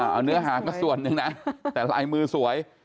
เอาเนื้อหาก็ส่วนหนึ่งนะแต่ลายมือสวย